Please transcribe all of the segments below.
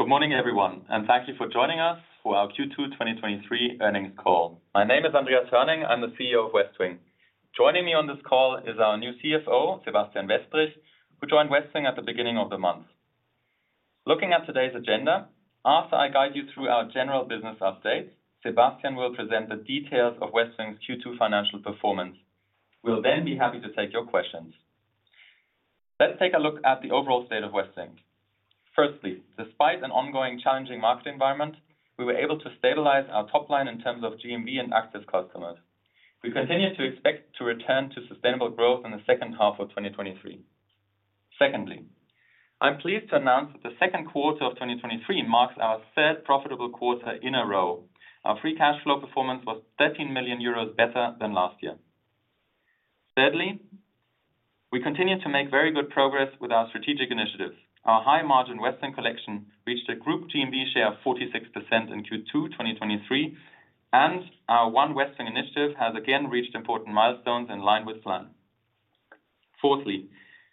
Good morning, everyone, thank you for joining us for our Q2 2023 earnings call. My name is Andreas Hoerning. I'm the CEO of Westwing. Joining me on this call is our new CFO, Sebastian Westrich, who joined Westwing at the beginning of the month. Looking at today's agenda, after I guide you through our general business update, Sebastian will present the details of Westwing's Q2 financial performance. We'll be happy to take your questions. Let's take a look at the overall state of Westwing. Firstly, despite an ongoing challenging market environment, we were able to stabilize our top line in terms of GMV and active customers. We continue to expect to return to sustainable growth in the second half of 2023. Secondly, I'm pleased to announce that the second quarter of 2023 marks our third profitable quarter in a row. Our free cash flow performance was 13 million euros better than last year. Thirdly, we continue to make very good progress with our strategic initiatives. Our high-margin Westwing Collection reached a group GMV share of 46% in Q2 2023, and our One Westwing initiative has again reached important milestones in line with plan. Fourthly,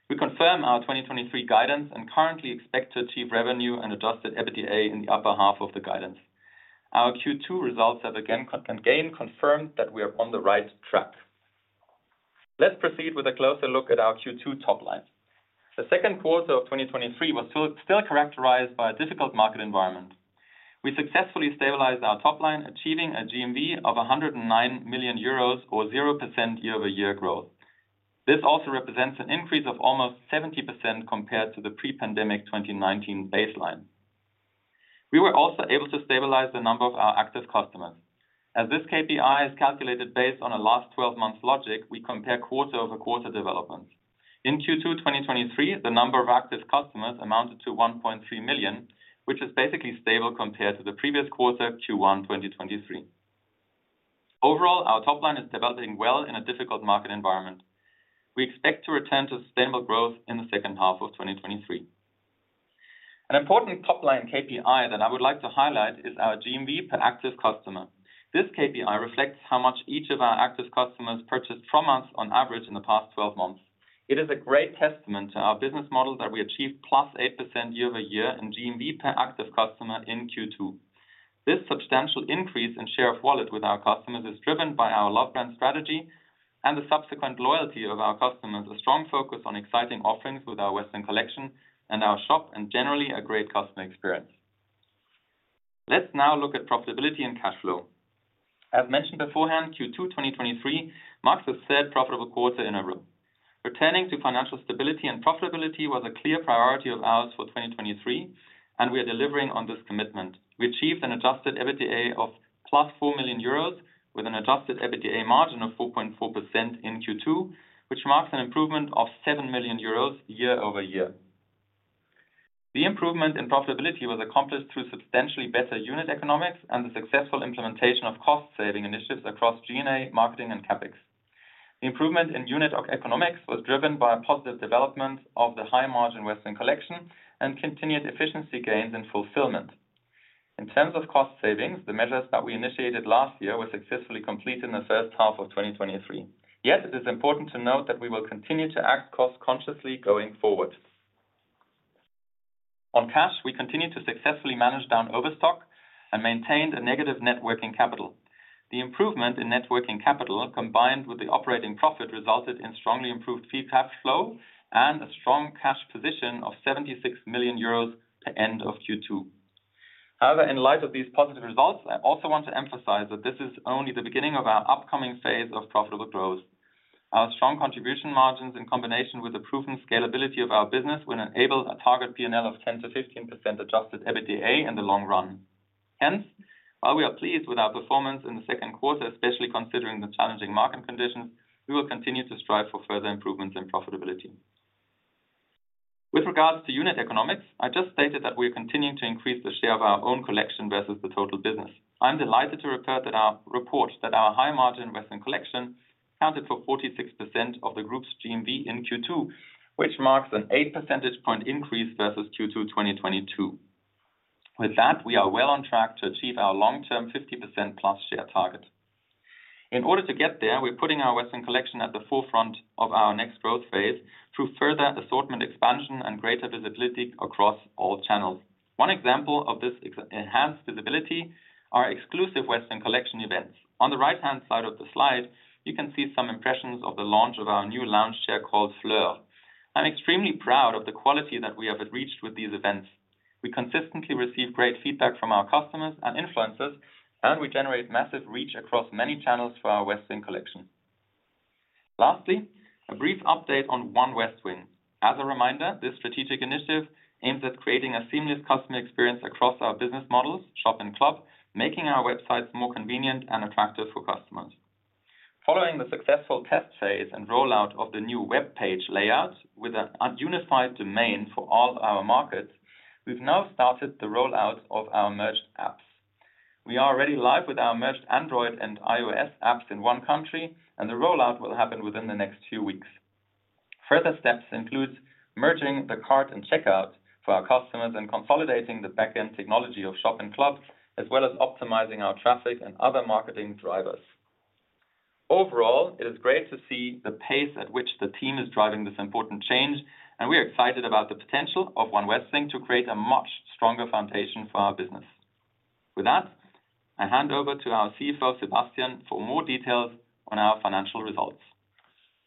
we confirm our 2023 guidance and currently expect to achieve revenue and adjusted EBITDA in the upper half of the guidance. Our Q2 results have again confirmed that we are on the right track. Let's proceed with a closer look at our Q2 top line. The second quarter of 2023 was still characterized by a difficult market environment. We successfully stabilized our top line, achieving a GMV of 109 million euros, or 0% year-over-year growth. This also represents an increase of almost 70% compared to the pre-pandemic 2019 baseline. We were also able to stabilize the number of our active customers. As this KPI is calculated based on a last 12 months logic, we compare quarter-over-quarter development. In Q2 2023, the number of active customers amounted to 1.3 million, which is basically stable compared to the previous quarter, Q1 2023. Overall, our top line is developing well in a difficult market environment. We expect to return to sustainable growth in the second half of 2023. An important top-line KPI that I would like to highlight is our GMV per active customer. This KPI reflects how much each of our active customers purchased from us on average in the past 12 months. It is a great testament to our business model that we achieved +8% year-over-year in GMV per active customer in Q2. This substantial increase in share of wallet with our customers is driven by our love brand strategy and the subsequent loyalty of our customers, a strong focus on exciting offerings with our Westwing Collection and our shop, and generally a great customer experience. Let's now look at profitability and cash flow. As mentioned beforehand, Q2 2023 marks the 3rd profitable quarter in a row. Returning to financial stability and profitability was a clear priority of ours for 2023. We are delivering on this commitment. We achieved an adjusted EBITDA of +4 million euros, with an adjusted EBITDA margin of 4.4% in Q2, which marks an improvement of 7 million euros year-over-year. The improvement in profitability was accomplished through substantially better unit economics and the successful implementation of cost-saving initiatives across G&A, marketing, and CapEx. The improvement in unit economics was driven by a positive development of the high-margin Westwing Collection and continued efficiency gains and fulfillment. In terms of cost savings, the measures that we initiated last year were successfully completed in the first half of 2023. It is important to note that we will continue to act cost-consciously going forward. On cash, we continued to successfully manage down overstock and maintained a negative net working capital. The improvement in net working capital, combined with the operating profit, resulted in strongly improved free cash flow and a strong cash position of 76 million euros at end of Q2. In light of these positive results, I also want to emphasize that this is only the beginning of our upcoming phase of profitable growth. Our strong contribution margins, in combination with the proven scalability of our business, will enable a target P&L of 10%-15% adjusted EBITDA in the long run. While we are pleased with our performance in the second quarter, especially considering the challenging market conditions, we will continue to strive for further improvements in profitability. With regards to unit economics, I just stated that we are continuing to increase the share of our own collection versus the total business. I'm delighted to report that our high-margin Westwing Collection accounted for 46% of the group's GMV in Q2, which marks an 8 percentage point increase versus Q2 2022. With that, we are well on track to achieve our long-term 50% plus share target. In order to get there, we're putting our Westwing Collection at the forefront of our next growth phase through further assortment expansion and greater visibility across all channels. One example of this enhanced visibility are exclusive Westwing Collection events. On the right-hand side of the slide, you can see some impressions of the launch of our new lounge chair called Fleur. I'm extremely proud of the quality that we have reached with these events. We consistently receive great feedback from our customers and influencers, and we generate massive reach across many channels for our Westwing Collection. Lastly, a brief update on One Westwing. As a reminder, this strategic initiative aims at creating a seamless customer experience across our business models, shop and club, making our websites more convenient and attractive for customers. Following the successful test phase and rollout of the new web page layout with a unified domain for all our markets, we've now started the rollout of our merged apps. We are already live with our merged Android and iOS apps in one country, and the rollout will happen within the next few weeks. Further steps includes merging the cart and checkout for our customers and consolidating the back-end technology of shop and club, as well as optimizing our traffic and other marketing drivers. Overall, it is great to see the pace at which the team is driving this important change, and we are excited about the potential of One Westwing to create a much stronger foundation for our business. With that, I hand over to our CFO, Sebastian, for more details on our financial results.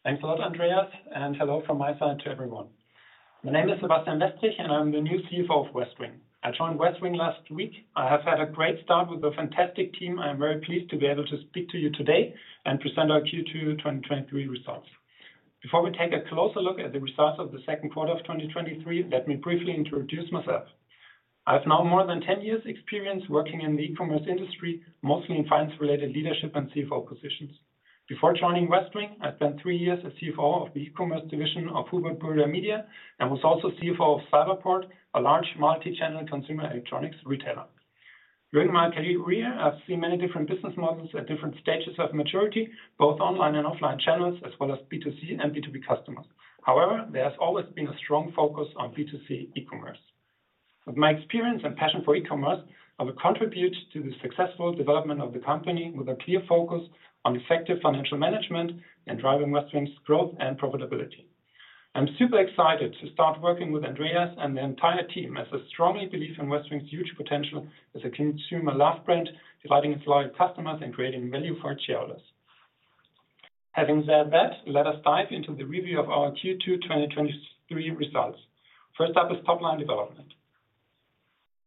Thanks a lot, Andreas, and hello from my side to everyone. My name is Sebastian Westrich, and I'm the new CFO of Westwing. I joined Westwing last week. I have had a great start with a fantastic team. I'm very pleased to be able to speak to you today and present our Q2 2023 results. Before we take a closer look at the results of the second quarter of 2023, let me briefly introduce myself. I have now more than 10 years experience working in the e-commerce industry, mostly in finance-related leadership and CFO positions. Before joining Westwing, I spent three years as CFO of the e-commerce division of Hubert Burda Media, and was also CFO of Cyberport, a large multi-channel consumer electronics retailer. During my career, I've seen many different business models at different stages of maturity, both online and offline channels, as well as B2C and B2B customers. However, there has always been a strong focus on B2C e-commerce. With my experience and passion for e-commerce, I will contribute to the successful development of the company with a clear focus on effective financial management and driving Westwing's growth and profitability. I'm super excited to start working with Andreas and the entire team, as I strongly believe in Westwing's huge potential as a consumer love brand, providing its loyal customers and creating value for our shareholders. Having said that, let us dive into the review of our Q2 2023 results. First up is top line development.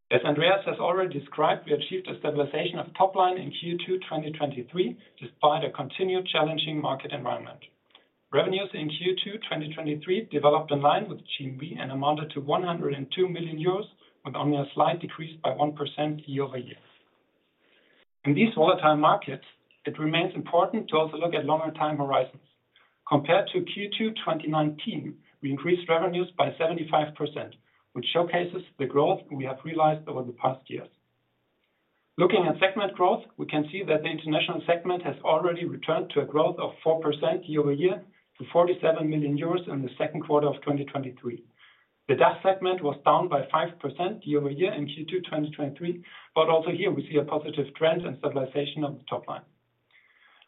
As Andreas has already described, we achieved a stabilization of top line in Q2 2023, despite a continued challenging market environment. Revenues in Q2 2023 developed in line with GMV and amounted to 102 million euros, with only a slight decrease by 1% year-over-year. In these volatile markets, it remains important to also look at longer time horizons. Compared to Q2 2019, we increased revenues by 75%, which showcases the growth we have realized over the past years. Looking at segment growth, we can see that the international segment has already returned to a growth of 4% year-over-year to 47 million euros in Q2 2023. The DACH segment was down by 5% year-over-year in Q2 2023, but also here we see a positive trend and stabilization of the top line.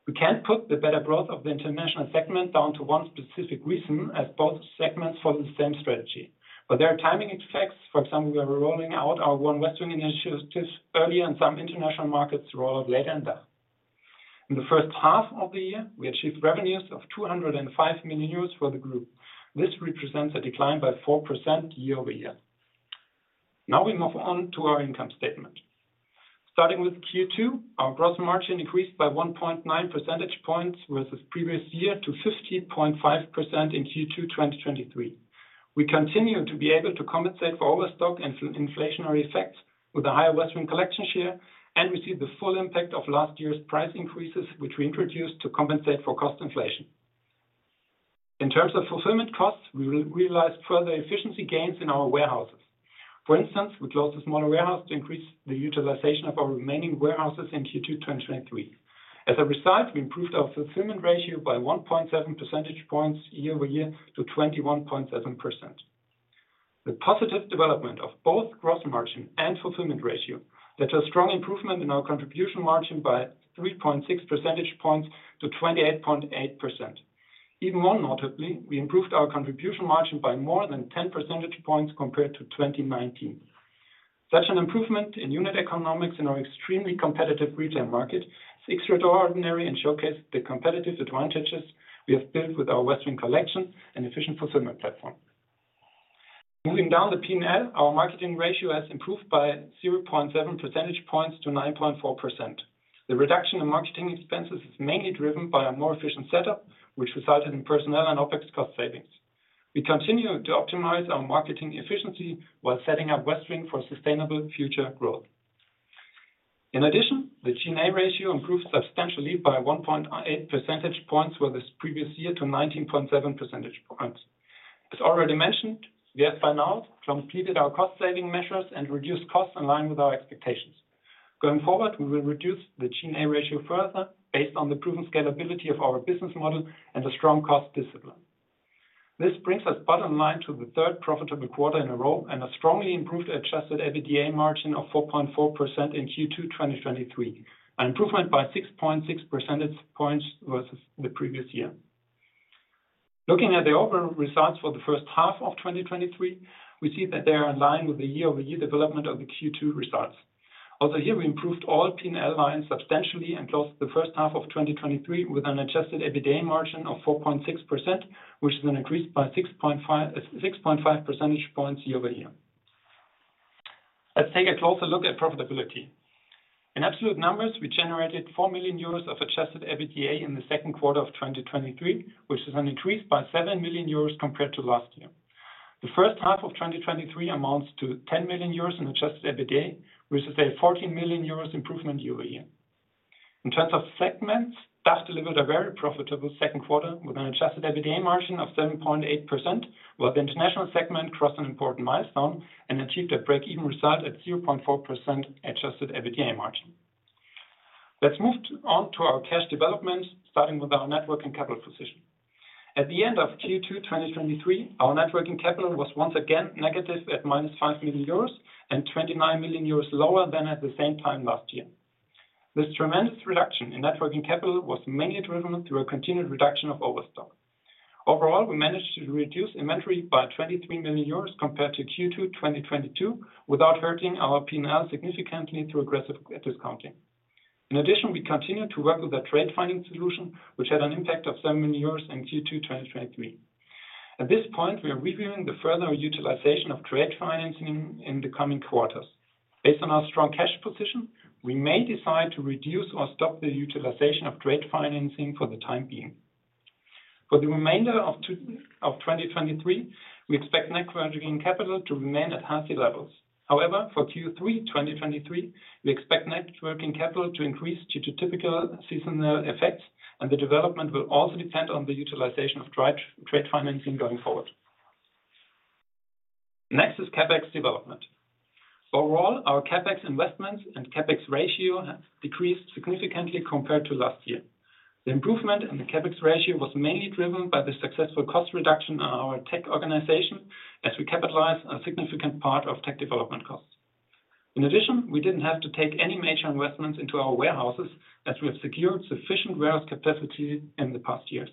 We can't put the better growth of the international segment down to one specific reason, as both segments follow the same strategy. There are timing effects. For example, we are rolling out our One Westwing initiative early in some international markets rather late than that. In the first half of the year, we achieved revenues of 205 million euros for the group. This represents a decline by 4% year-over-year. We move on to our income statement. Starting with Q2, our gross margin increased by 1.9 percentage points versus previous year to 50.5% in Q2 2023. We continue to be able to compensate for overstock and inflationary effects with a higher Westwing Collection share, and receive the full impact of last year's price increases, which we introduced to compensate for cost inflation. In terms of fulfillment costs, we will realize further efficiency gains in our warehouses. For instance, we closed a smaller warehouse to increase the utilization of our remaining warehouses in Q2 2023. As a result, we improved our fulfillment ratio by 1.7 percentage points year-over-year to 21.7%. The positive development of both gross margin and fulfillment ratio, that's a strong improvement in our contribution margin by 3.6 percentage points to 28.8%. Even more notably, we improved our contribution margin by more than 10 percentage points compared to 2019. Such an improvement in unit economics in our extremely competitive retail market is extraordinary and showcases the competitive advantages we have built with our Westwing Collection and efficient fulfillment platform. Moving down the P&L, our marketing ratio has improved by 0.7 percentage points to 9.4%. The reduction in marketing expenses is mainly driven by a more efficient setup, which resulted in personnel and OpEx cost savings. We continue to optimize our marketing efficiency while setting up Westwing for sustainable future growth. In addition, the G&A ratio improved substantially by 1.8 percentage points for this previous year to 19.7 percentage points. As already mentioned, we have by now completed our cost-saving measures and reduced costs in line with our expectations. Going forward, we will reduce the G&A ratio further based on the proven scalability of our business model and a strong cost discipline. This brings us bottom line to the third profitable quarter in a row and a strongly improved adjusted EBITDA margin of 4.4% in Q2 2023, an improvement by 6.6 percentage points versus the previous year. Looking at the overall results for the first half of 2023, we see that they are in line with the year-over-year development of the Q2 results. Also here, we improved all P&L lines substantially and closed the first half of 2023 with an adjusted EBITDA margin of 4.6%, which is an increase by 6.5, 6.5 percentage points year-over-year. Let's take a closer look at profitability. In absolute numbers, we generated 4 million euros of adjusted EBITDA in the second quarter of 2023, which is an increase by 7 million euros compared to last year. The first half of 2023 amounts to 10 million euros in adjusted EBITDA, which is a 14 million euros improvement year-over-year. In terms of segments, DACH delivered a very profitable second quarter with an adjusted EBITDA margin of 7.8%, while the international segment crossed an important milestone and achieved a break-even result at 0.4% adjusted EBITDA margin. Let's move on to our cash development, starting with our net working capital position. At the end of Q2, 2023, our networking capital was once again negative at -5 million euros and 29 million euros lower than at the same time last year. This tremendous reduction in networking capital was mainly driven through a continued reduction of overstock. Overall, we managed to reduce inventory by 23 million euros compared to Q2, 2022, without hurting our P&L significantly through aggressive discounting. In addition, we continued to work with the trade finance solution, which had an impact of 7 million euros in Q2 2023. At this point, we are reviewing the further utilization of trade financing in the coming quarters. Based on our strong cash position, we may decide to reduce or stop the utilization of trade financing for the time being. For the remainder of 2023, we expect net working capital to remain at healthy levels. However, for Q3 2023, we expect net working capital to increase due to typical seasonal effects, and the development will also depend on the utilization of trade financing going forward. Next is CapEx development. Overall, our CapEx investments and CapEx ratio has decreased significantly compared to last year. The improvement in the CapEx ratio was mainly driven by the successful cost reduction on our tech organization, as we capitalize a significant part of tech development costs. In addition, we didn't have to take any major investments into our warehouses, as we have secured sufficient warehouse capacity in the past years.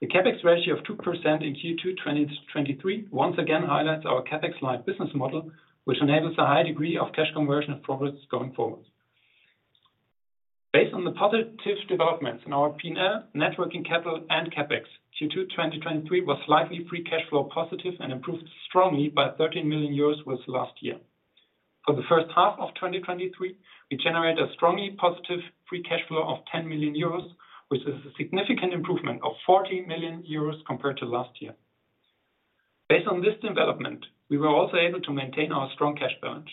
The CapEx ratio of 2% in Q2, 2023, once again highlights our CapEx light business model, which enables a high degree of cash conversion and profits going forward. Based on the positive developments in our P&L, net working capital and CapEx, Q2, 2023, was slightly free cash flow positive and improved strongly by 13 million euros with last year. For the first half of 2023, we generated a strongly positive free cash flow of 10 million euros, which is a significant improvement of 40 million euros compared to last year. Based on this development, we were also able to maintain our strong cash balance.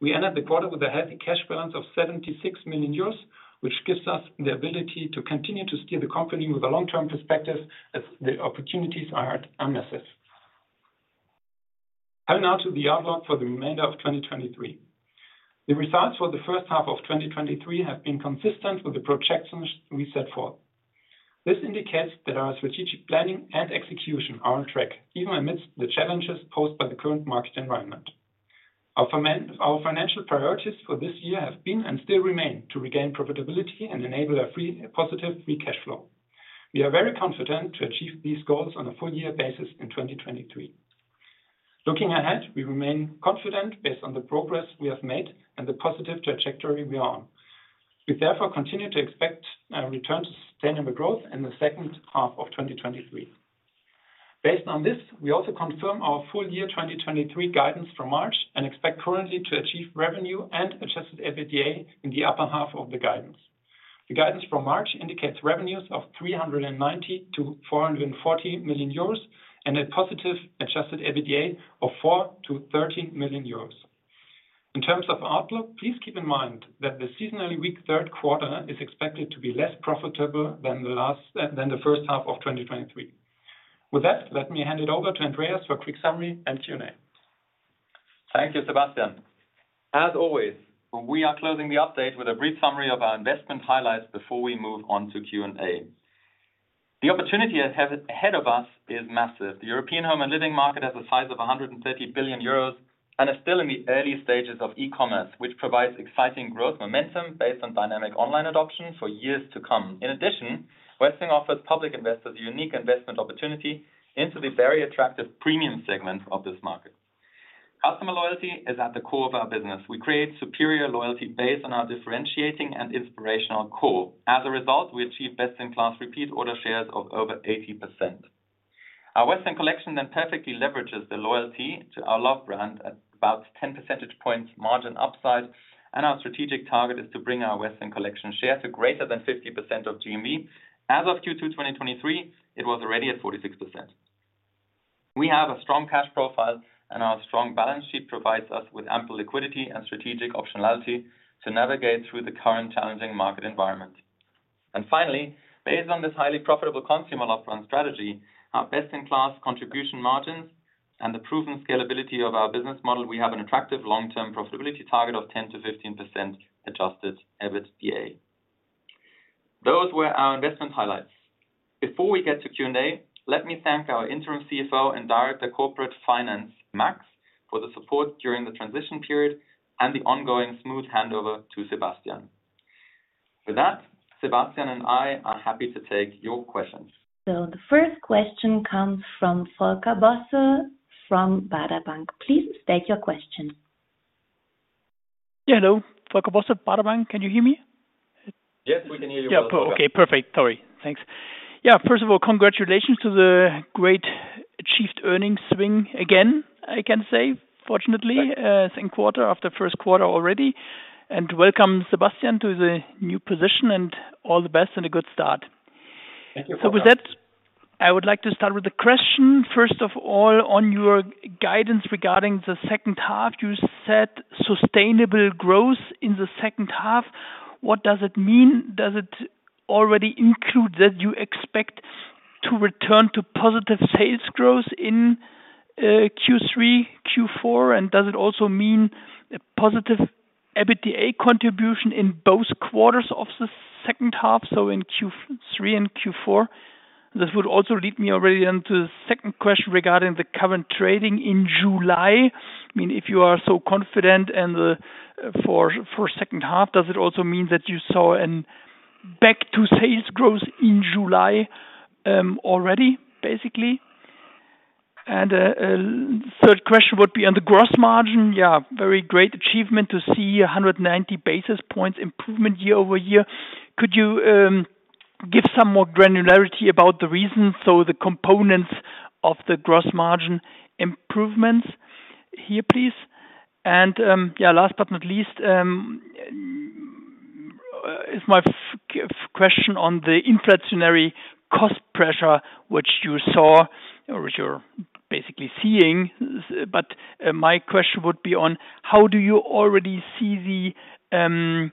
We ended the quarter with a healthy cash balance of 76 million euros, which gives us the ability to continue to steer the company with a long-term perspective as the opportunities are at unnecessary. Turn now to the outlook for the remainder of 2023. The results for the first half of 2023 have been consistent with the projections we set forth. This indicates that our strategic planning and execution are on track, even amidst the challenges posed by the current market environment. Our financial priorities for this year have been and still remain, to regain profitability and enable a free, positive free cash flow. We are very confident to achieve these goals on a full-year basis in 2023. Looking ahead, we remain confident based on the progress we have made and the positive trajectory we are on. We therefore continue to expect a return to sustainable growth in the second half of 2023. Based on this, we also confirm our full-year 2023 guidance from March and expect currently to achieve revenue and adjusted EBITDA in the upper half of the guidance. The guidance from March indicates revenues of 390 million-440 million euros and a positive adjusted EBITDA of 4 million-13 million euros. In terms of outlook, please keep in mind that the seasonally weak third quarter is expected to be less profitable than the last, than the first half of 2023. With that, let me hand it over to Andreas for a quick summary and Q&A. Thank you, Sebastian. As always, we are closing the update with a brief summary of our investment highlights before we move on to Q&A. The opportunity ahead of us is massive. The European home and living market has a size of 130 billion euros and is still in the early stages of e-commerce, which provides exciting growth momentum based on dynamic online adoption for years to come. In addition, Westwing offers public investors a unique investment opportunity into the very attractive premium segment of this market. Customer loyalty is at the core of our business. We create superior loyalty based on our differentiating and inspirational core. As a result, we achieve best-in-class repeat order shares of over 80%. Our Westwing Collection perfectly leverages the loyalty to our love brand at about 10 percentage points margin upside, our strategic target is to bring our Westwing Collection share to greater than 50% of GMV. As of Q2, 2023, it was already at 46%. We have a strong cash profile, our strong balance sheet provides us with ample liquidity and strategic optionality to navigate through the current challenging market environment. Finally, based on this highly profitable consumer love brand strategy, our best-in-class contribution margins and the proven scalability of our business model, we have an attractive long-term profitability target of 10%-15% adjusted EBITDA. Those were our investment highlights. Before we get to Q&A, let me thank our interim CFO and director of corporate finance, Max, for the support during the transition period and the ongoing smooth handover to Sebastian. With that, Sebastian and I are happy to take your questions. The first question comes from Volker Bosse, from Baader Bank. Please state your question. Yeah, hello. Volker Bosse, Baader Bank. Can you hear me? Yes, we can hear you. Yeah. Okay, perfect. Sorry. Thanks. Yeah, first of all, congratulations to the great achieved earnings swing again, I can say, fortunately, second quarter after first quarter already. Welcome, Sebastian, to the new position, and all the best and a good start. Thank you, Volker. With that, I would like to start with the question, first of all, on your guidance regarding the second half. You said sustainable growth in the second half. What does it mean? Does it already include that you expect to return to positive sales growth in Q3, Q4? Does it also mean a positive-... EBITDA contribution in both quarters of the second half, so in Q3 and Q4. This would also lead me already into the second question regarding the current trading in July. I mean, if you are so confident and the, for, for second half, does it also mean that you saw an back to sales growth in July already, basically? A third question would be on the gross margin. Yeah, very great achievement to see 190 basis points improvement year-over-year. Could you give some more granularity about the reasons, so the components of the gross margin improvements here, please? Yeah, last but not least, is my question on the inflationary cost pressure, which you saw, or which you're basically seeing. My question would be on, how do you already see the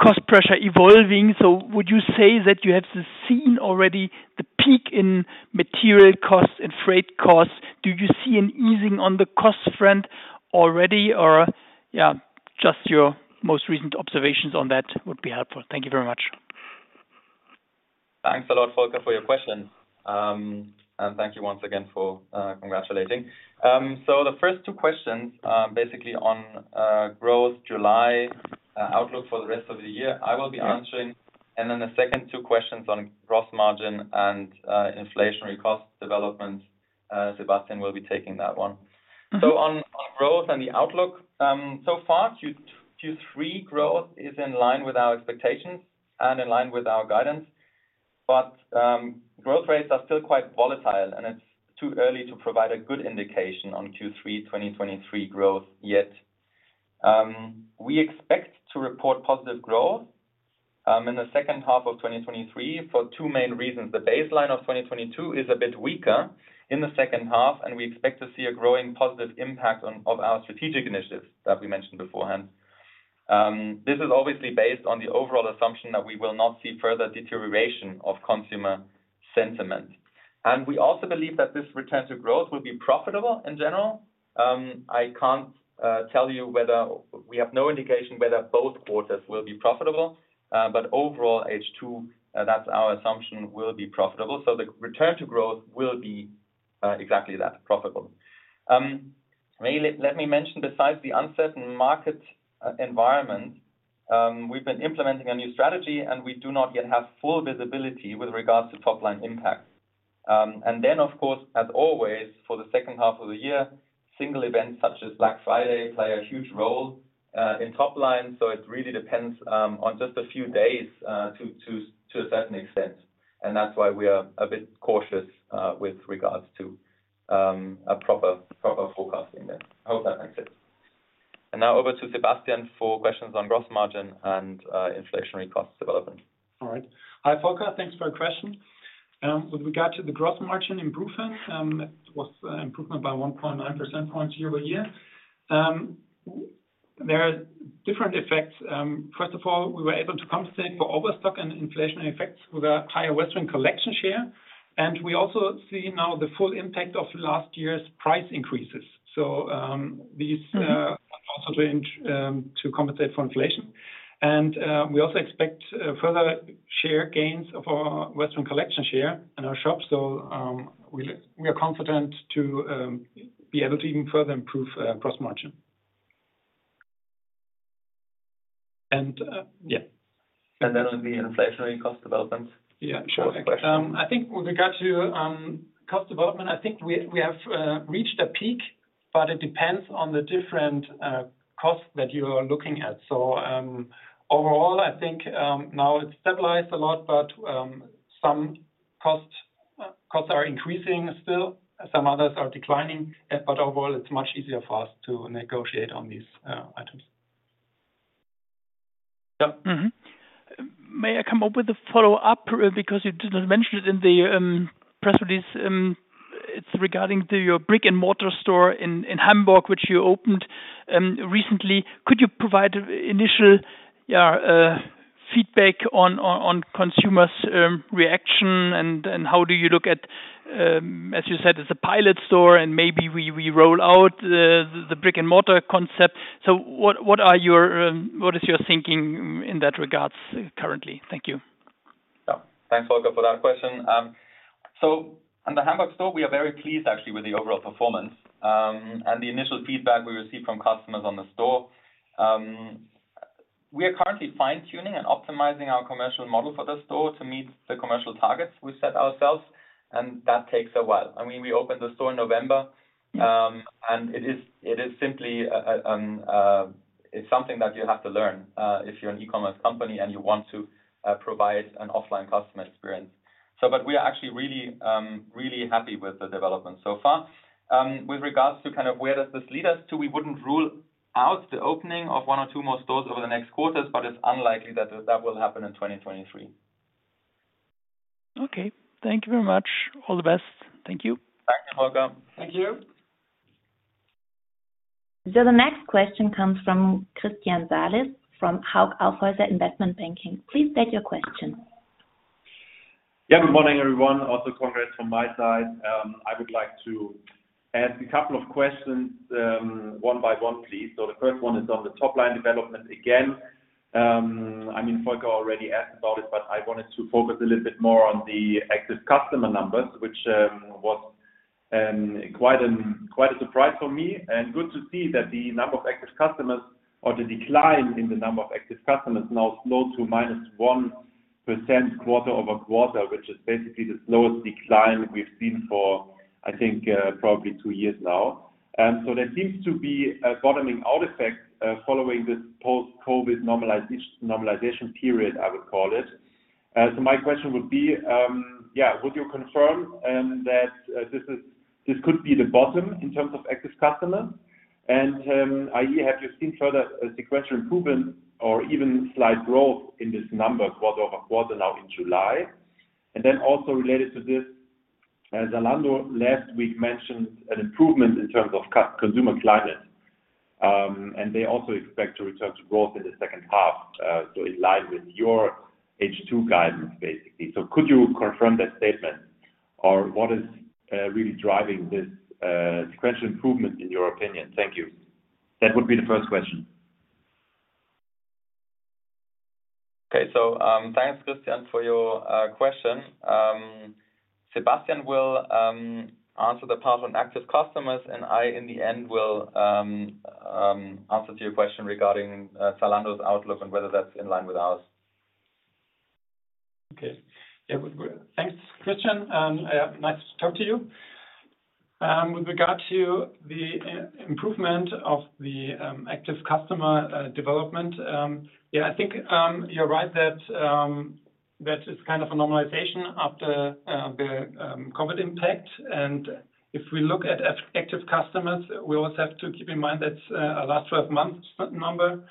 cost pressure evolving? Would you say that you have seen already the peak in material costs and freight costs? Do you see an easing on the cost front already or, yeah, just your most recent observations on that would be helpful. Thank you very much. Thanks a lot, Volker, for your question. Thank you once again for congratulating. The first two questions, basically on growth, July, outlook for the rest of the year, I will be answering. The second two questions on gross margin and inflationary cost development, Sebastian will be taking that one. Mm-hmm. On, on growth and the outlook, so far, Q2, Q3 growth is in line with our expectations and in line with our guidance. Growth rates are still quite volatile, and it's too early to provide a good indication on Q3 2023 growth yet. We expect to report positive growth in the second half of 2023 for two main reasons. The baseline of 2022 is a bit weaker in the second half, and we expect to see a growing positive impact of our strategic initiatives that we mentioned beforehand. This is obviously based on the overall assumption that we will not see further deterioration of consumer sentiment. We also believe that this return to growth will be profitable in general. I can't tell you whether... We have no indication whether both quarters will be profitable, but overall, H2, that's our assumption, will be profitable. The return to growth will be exactly that, profitable. May, let me mention, besides the uncertain market environment, we've been implementing a new strategy, and we do not yet have full visibility with regards to top-line impact. And then, of course, as always, for the second half of the year, single events such as Black Friday play a huge role in top line, so it really depends on just a few days to, to, to a certain extent, and that's why we are a bit cautious with regards to a proper, proper forecasting then. I hope that answers it. Now over to Sebastian for questions on gross margin and inflationary cost development. All right. Hi, Volker. Thanks for your question. With regard to the gross margin improvement, it was improvement by 1.9 percentage points year-over-year. There are different effects. First of all, we were able to compensate for overstock and inflationary effects with a higher Westwing Collection share, and we also see now the full impact of last year's price increases. These also going to compensate for inflation. We also expect further share gains of our Westwing Collection share in our shops. We, we are confident to be able to even further improve gross margin. Yeah. Then on the inflationary cost developments. Yeah, sure. last question. I think with regard to, cost development, I think we, we have, reached a peak, but it depends on the different, costs that you are looking at. Overall, I think, now it's stabilized a lot, but, some costs, costs are increasing still, some others are declining, but overall, it's much easier for us to negotiate on these, items. Yeah. Mm-hmm. May I come up with a follow-up, because you didn't mention it in the press release, it's regarding to your brick-and-mortar store in Hamburg, which you opened recently. Could you provide initial, yeah, feedback on, on, on consumers reaction, and, and how do you look at... As you said, it's a pilot store, and maybe we, we roll out the, the brick-and-mortar concept. What, what are your, what is your thinking in that regards currently? Thank you. Yeah. Thanks, Volker, for that question. On the Hamburg store, we are very pleased actually with the overall performance, and the initial feedback we received from customers on the store. We are currently fine-tuning and optimizing our commercial model for the store to meet the commercial targets we set ourselves, and that takes a while. I mean, we opened the store in November, and it is, it is simply, it's something that you have to learn, if you're an e-commerce company and you want to provide an offline customer experience. But we are actually really, really happy with the development so far. With regards to kind of where does this lead us to? We wouldn't rule out the opening of one or two more stores over the next quarters, but it's unlikely that that will happen in 2023. Okay. Thank you very much. All the best. Thank you. Thank you, Volker. Thank you. The next question comes from Christian Salis, from Hauck & Aufhäuser Investment Banking. Please state your question. Yeah, good morning, everyone. Also, congrats from my side. I would like to ask a couple of questions, one by one, please. The first one is on the top line development again. I mean, Volker already asked about it, but I wanted to focus a little bit more on the active customer numbers, which was quite a surprise for me. Good to see that the number of active customers or the decline in the number of active customers now slowed to minus 1% quarter-over-quarter, which is basically the slowest decline we've seen for, I think, probably two years now. There seems to be a bottoming out effect, following this post-COVID normalization period, I would call it. My question would be, yeah, would you confirm that this is, this could be the bottom in terms of active customers? I.e., have you seen further sequential improvement or even slight growth in this number quarter-over-quarter now in July? Also related to this, as Zalando last week mentioned an improvement in terms of consumer climate, and they also expect to return to growth in the second half, so in line with your H2 guidance, basically. Could you confirm that statement, or what is really driving this sequential improvement in your opinion? Thank you. That would be the first question. Okay. Thanks, Christian, for your question. Sebastian will answer the part on active customers, and I, in the end, will answer to your question regarding Zalando's outlook and whether that's in line with ours. Okay. Yeah, thanks, Christian. Nice to talk to you. With regard to the improvement of the active customer development, I think you're right that that is kind of a normalization after the COVID impact. If we look at active customers, we also have to keep in mind that's a last twelve-month number.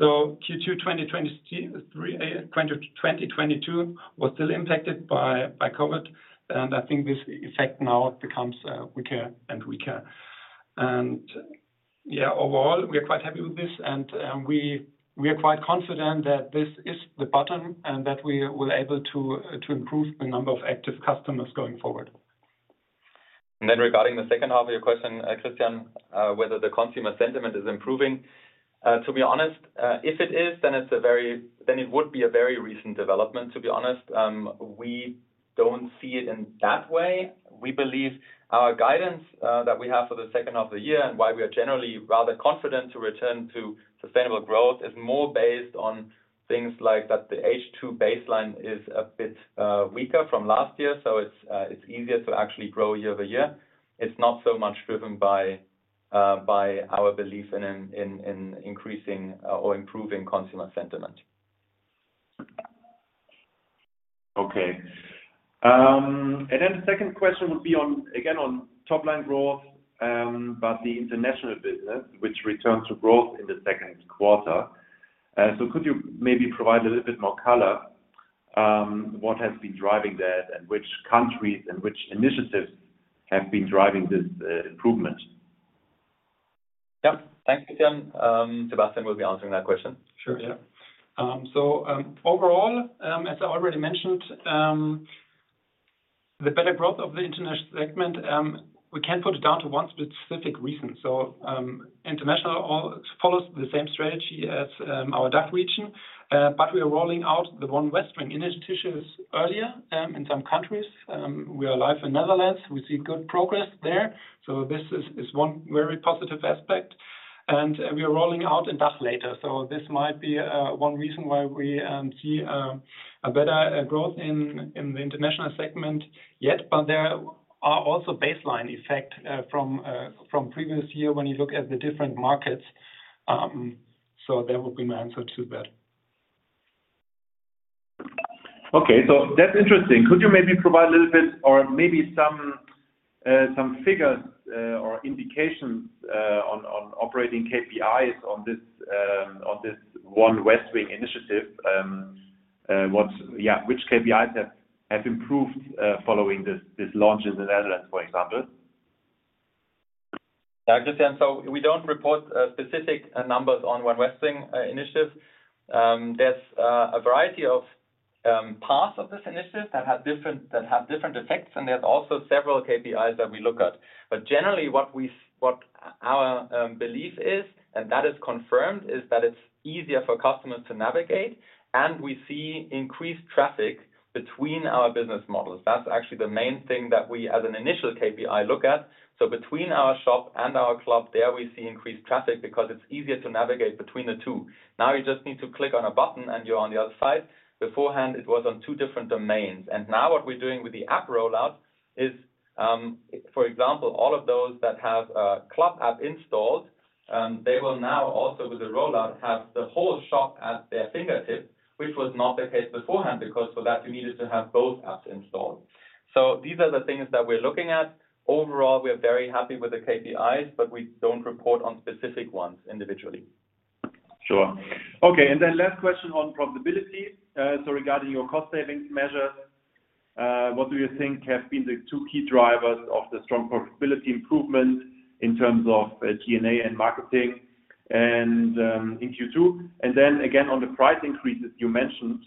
Q2 2023, 2022 was still impacted by, by COVID, and I think this effect now becomes weaker and weaker. Overall, we are quite happy with this, and we, we are quite confident that this is the bottom and that we will able to improve the number of active customers going forward. Regarding the second half of your question, Christian, whether the consumer sentiment is improving, to be honest, if it is, then it would be a very recent development, to be honest. We don't see it in that way. We believe our guidance that we have for the second half of the year and why we are generally rather confident to return to sustainable growth, is more based on things like that the H2 baseline is a bit weaker from last year, so it's easier to actually grow year-over-year. It's not so much driven by our belief in increasing or improving consumer sentiment. Okay. Then the second question would be on, again, on top-line growth, but the international business, which returned to growth in the second quarter. Could you maybe provide a little bit more color, what has been driving that and which countries and which initiatives have been driving this improvement? Yep. Thanks, Christian. Sebastian will be answering that question. Sure, yeah. Overall, as I already mentioned, the better growth of the international segment, we can't put it down to one specific reason. International all follows the same strategy as our DACH region. We are rolling out the One Westwing initiatives earlier in some countries. We are live in Netherlands. We see good progress there. This is one very positive aspect, and we are rolling out in DACH later. This might be one reason why we see a better growth in the international segment yet, but there are also baseline effect from previous year when you look at the different markets. That would be my answer to that. Okay, that's interesting. Could you maybe provide a little bit or maybe some figures or indications on on operating KPIs on this One Westwing initiative? Which KPIs have improved following this, this launch in the Netherlands, for example? Christian, we don't report specific numbers on One Westwing initiative. There's a variety of parts of this initiative that have different, that have different effects, and there's also several KPIs that we look at. Generally, what we, what our belief is, and that is confirmed, is that it's easier for customers to navigate, and we see increased traffic between our business models. That's actually the main thing that we, as an initial KPI, look at. Between our shop and our club, there we see increased traffic because it's easier to navigate between the two. You just need to click on a button, and you're on the other side. Beforehand, it was on two different domains. Now what we're doing with the app rollout is, for example, all of those that have a club app installed, they will now also, with the rollout, have the whole shop at their fingertips, which was not the case beforehand, because for that, you needed to have both apps installed. These are the things that we're looking at. Overall, we are very happy with the KPIs, but we don't report on specific ones individually. Sure. Okay, then last question on profitability. So regarding your cost savings measures, what do you think have been the two key drivers of the strong profitability improvement in terms of G&A and marketing? In Q2, then again on the price increases you mentioned,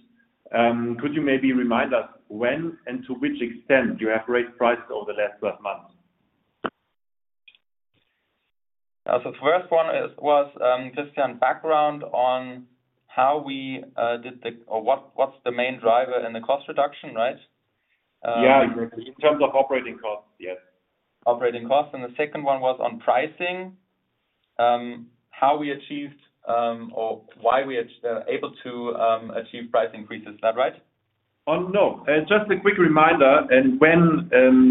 could you maybe remind us when and to which extent you have raised prices over the last 12 months? The first one is, was, just some background on how we, did the, or what, what's the main driver in the cost reduction, right? Yeah, exactly. In terms of operating costs, yes. Operating costs, and the second one was on pricing, how we achieved, or why we are able to achieve price increases, is that right? No. Just a quick reminder, and when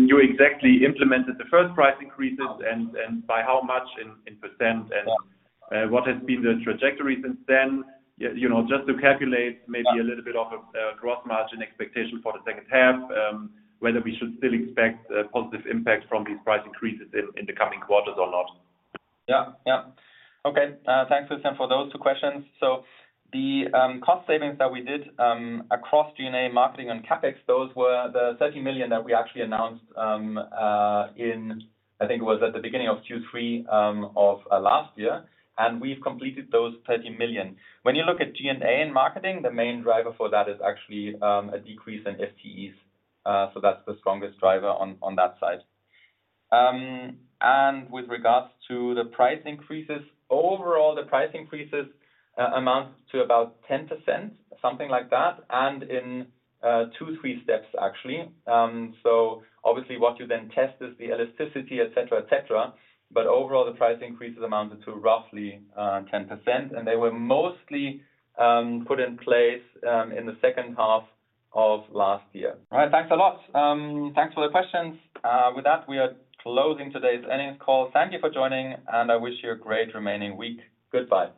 you exactly implemented the first price increases, and by how much in %, and what has been the trajectory since then? You know, just to calculate maybe a little bit of gross margin expectation for the second half, whether we should still expect a positive impact from these price increases in the coming quarters or not. Yeah. Yeah. Okay, thanks, Christian, for those two questions. The cost savings that we did across G&A, marketing, and CapEx, those were the 30 million that we actually announced in, I think it was at the beginning of Q3 of last year, and we've completed those 30 million. When you look at G&A in marketing, the main driver for that is actually a decrease in FTEs, so that's the strongest driver on, on that side. With regards to the price increases, overall, the price increases amount to about 10%, something like that, in two, three steps, actually. Obviously what you then test is the elasticity, et cetera, et cetera, but overall, the price increases amounted to roughly 10%, and they were mostly put in place in the second half of last year. All right, thanks a lot. Thanks for the questions. With that, we are closing today's earnings call. Thank you for joining, and I wish you a great remaining week. Goodbye.